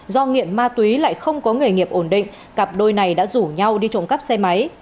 do nghiện ma túy lại không có nghề nghiệp ổn định cặp đôi này đã rủ nhau đi trộm cắp xe máy